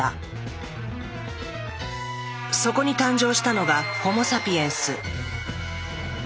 そこに誕生したのがホモ・サピエンス。